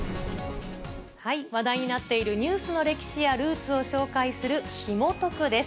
話題になっているニュースの歴史やルーツを紹介するヒモトクっです。